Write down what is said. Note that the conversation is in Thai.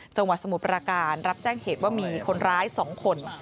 สมุทรประการรับแจ้งเหตุว่ามีคนร้าย๒คน